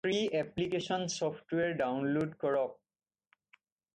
Free application software download কৰক।